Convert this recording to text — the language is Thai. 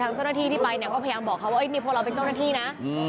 เจ้าหน้าที่ที่ไปเนี่ยก็พยายามบอกเขาว่านี่พวกเราเป็นเจ้าหน้าที่นะ